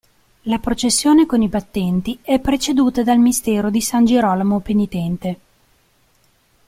La processione con i Battenti è preceduta dal Mistero di San Girolamo Penitente.